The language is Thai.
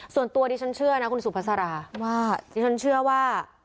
ส่วนตัวดิฉันเชื่อนะคุณสุภาษาราว่า